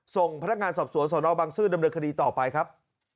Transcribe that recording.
ส่งพนักงานสอบสวนสนบังซื้อดำเนินคดีต่อไปครับ